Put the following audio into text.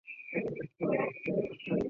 妻子赵曾玖则任职于贵州省科委。